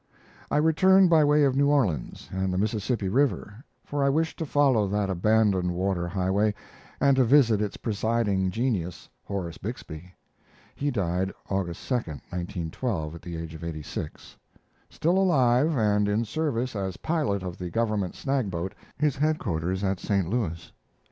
I returned by way of New Orleans and the Mississippi River, for I wished to follow that abandoned water highway, and to visit its presiding genius, Horace Bixby, [He died August 2, 1912, at the age of 86] still alive and in service as pilot of the government snagboat, his headquarters at St. Louis.